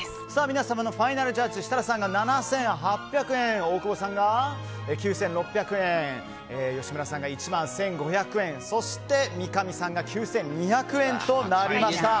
皆様のファイナルジャッジ設楽さんが７８００円大久保さんが９６００円吉村さんが１万１５００円そして三上さんが９２００円となりました。